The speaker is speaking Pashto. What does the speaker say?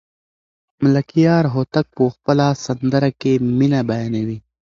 ملکیار هوتک په خپله سندره کې مینه بیانوي.